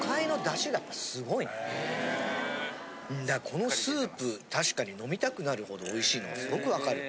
このスープ確かに飲みたくなるほどおいしいのはすごくわかる。